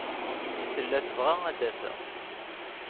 Tella tebɣa ad d-aseɣ.